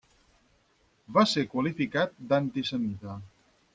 Va ser qualificat d'antisemita.